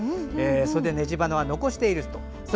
それでネジバナは残していると。